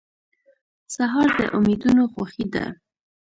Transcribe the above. سهار د امیدونو خوښي ده.